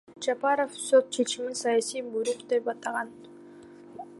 Жапаров сот чечимин саясий буйрук деп атаган.